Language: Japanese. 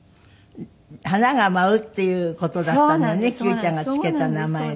花が舞うっていう事だったのね九ちゃんがつけた名前で。